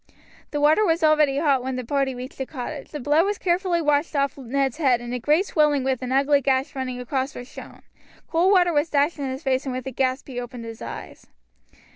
The water was already hot when the party reached the cottage; the blood was carefully washed off Ned's head, and a great swelling with an ugly gash running across was shown. Cold water was dashed in his face, and with a gasp he opened his eyes.